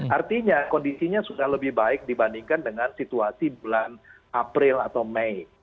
artinya kondisinya sudah lebih baik dibandingkan dengan situasi bulan april atau mei